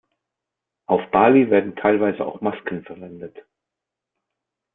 Auf Bali werden teilweise auch Masken verwendet.